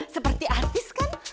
seperti artis kan